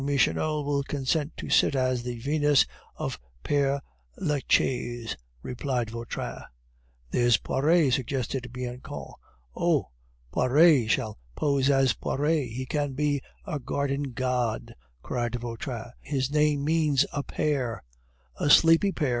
Michonneau will consent to sit as the Venus of Pere Lachaise," replied Vautrin. "There's Poiret," suggested Bianchon. "Oh! Poiret shall pose as Poiret. He can be a garden god!" cried Vautrin; "his name means a pear " "A sleepy pear!"